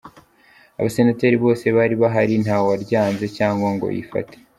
Abasenateri bose bari bahari ntawaryanze cyangwa ngo yifate.